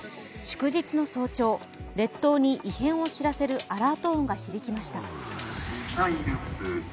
祝日の早朝、列島に異変を知らせるアラート音が響きました。